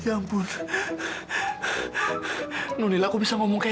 aku sudah takut sama gustaf